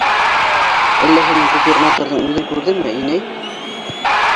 — Әллә һин ул губернаторҙың үҙен күрҙеңме, инәй?